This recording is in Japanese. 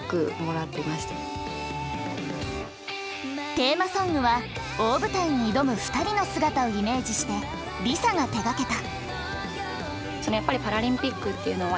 テーマソングは大舞台に挑む２人の姿をイメージしてＬｉＳＡが手がけた。